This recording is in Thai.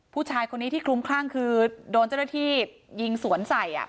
ผู้ชายคนนี้ที่คลุมคลั่งคือโดนเจ้าหน้าที่ยิงสวนใส่